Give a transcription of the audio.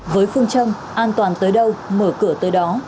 với phương châm an toàn tới đâu mở cửa tới đó